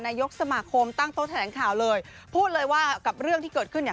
นายกสมาคมตั้งโต๊ะแถลงข่าวเลยพูดเลยว่ากับเรื่องที่เกิดขึ้นเนี่ย